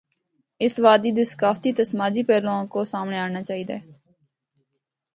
اس وادی دے ثقافتی تے سماجی پہلوؤں کو سامنڑے آنڑنا چائی دا ہے۔